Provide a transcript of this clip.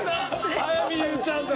早見優ちゃんだ。